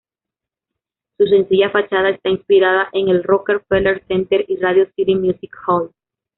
Su sencilla fachada está inspirada en el Rockefeller Center y Radio City Music Hall.